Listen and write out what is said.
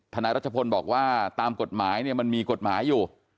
นายรัชพลบอกว่าตามกฎหมายเนี่ยมันมีกฎหมายอยู่